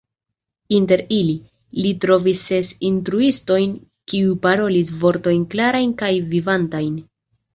Inter ili, li trovis ses instruistojn, kiuj parolis "vortojn klarajn kaj vivantajn.